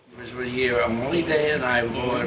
saya ingin mencari alamat ayah saya yang meninggal di holland